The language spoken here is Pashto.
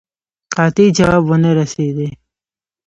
قاطع جواب ونه رسېدی.